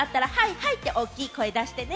はい！って大きな声出してね。